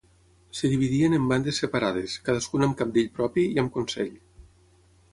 Es dividien en bandes separades, cadascuna amb cabdill propi i amb consell.